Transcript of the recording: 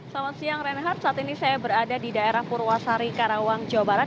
selamat siang reinhard saat ini saya berada di daerah purwasari karawang jawa barat